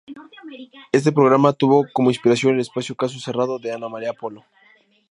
Este programa tuvo como inspiración el espacio "Caso cerrado", de Ana María Polo.